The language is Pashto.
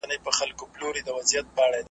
واوري دي اوري زموږ پر بامونو .